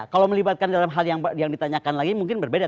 kalau melibatkan dalam hal yang ditanyakan lagi mungkin berbeda